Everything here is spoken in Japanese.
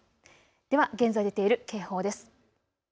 では現在、出ている警報です。